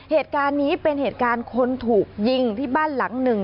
เหตุการณ์นี้เป็นเหตุการณ์คนถูกยิงที่บ้านหลังหนึ่ง